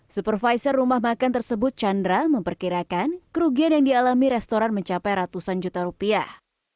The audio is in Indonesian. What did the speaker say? supervisor rumah makan tersebut chandra memperkirakan kerugian yang dialami restoran mencapai ratusan juta rupiah